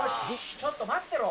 ちょっと待ってろ。